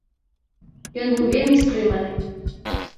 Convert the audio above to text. Ён быў вельмі стрыманы.